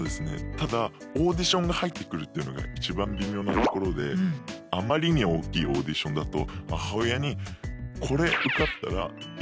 ただオーディションが入ってくるっていうのが一番微妙なところであまりに大きいオーディションだと母親にって聞かれるんですよ。